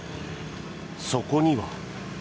そこには。